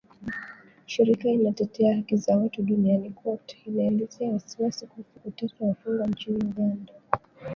shirika inatetea haki za watu duniani kote inaelezea wasiwasi kuhusu kuteswa wafungwa nchini Uganda